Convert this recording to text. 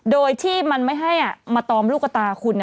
โดยที่มันไม่ให้มาตอมลูกตาคุณ